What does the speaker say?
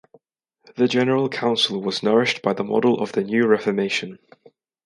The General Council was nourished by the model of the New Reformation.